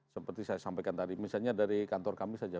seperti saya sampaikan tadi misalnya dari kantor kami saja